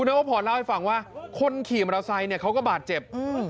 วพรเล่าให้ฟังว่าคนขี่มอเตอร์ไซค์เนี่ยเขาก็บาดเจ็บอืม